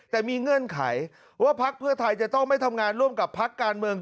แต่มีเงื่อนไขว่าพักเพื่อไทยจะต้องไม่ทำงานร่วมกับพักการเมือง